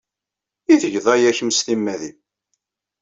I tged aya kemm s timmad-nnem?